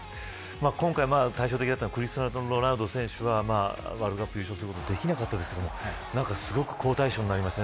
今回、対照的だったのはクリスティアーノ・ロナウド選手はワールドカップ優勝することはできなかったですけどすごく好対称になりましたね